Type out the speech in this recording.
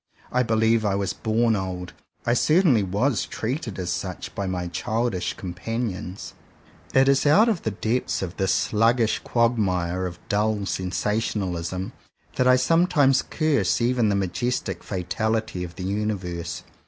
I believe I was born old. I certainly was treated as such by my childish companions. It is out of the depths of this sluggish quagmire of dull sensationalism that I sometimes curse even the majestic fatality of the Universe.